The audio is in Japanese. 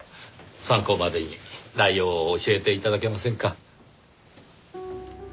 参考までに内容を教えて頂けませんか？